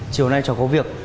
chiều nay chẳng có việc